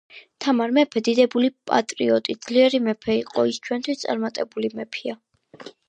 თამარ მეფე დიდებული, პატრიოტრი, ძლიერი მეფე იყო . ის ჩვენთვის წარმატებული მეფეა